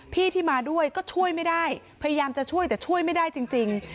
พี่ที่มาด้วยก็ช่วยไม่ได้พยายามจะช่วยแต่ช่วยไม่ได้จริง